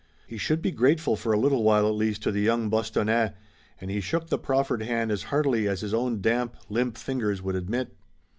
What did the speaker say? He should be grateful for a little while, at least, to the young Bostonnais, and he shook the proffered hand as heartily as his own damp, limp fingers would admit.